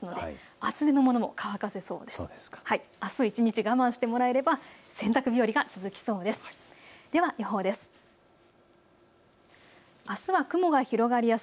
あす一日、我慢してもらえれば洗濯日和が続きそうです。